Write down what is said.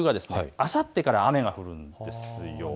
あさってから雨が降るんですよ。